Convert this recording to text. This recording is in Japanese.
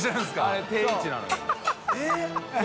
あれ定位置なのよ。